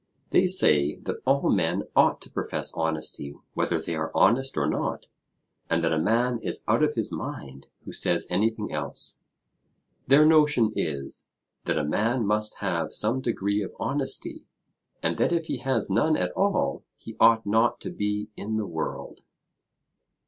They say that all men ought to profess honesty whether they are honest or not, and that a man is out of his mind who says anything else. Their notion is, that a man must have some degree of honesty; and that if he has none at all he ought not to be in the world.